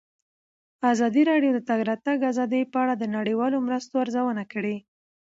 ازادي راډیو د د تګ راتګ ازادي په اړه د نړیوالو مرستو ارزونه کړې.